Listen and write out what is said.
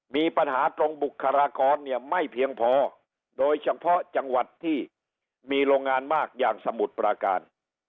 มีปัญหาตรงบุคลากรเนี่ยไม่เพียงพอโดยเฉพาะจังหวัดที่มีโรงงานมากอย่างสมุทรปราการ